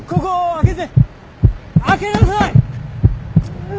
開けなさい！